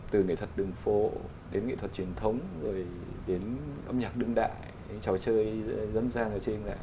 từ nghệ thuật đường phộ đến nghệ thuật truyền thống rồi đến âm nhạc đương đại trò chơi dân gian ở trên lại